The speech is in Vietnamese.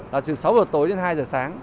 là từ sáu h tối đến hai h sáng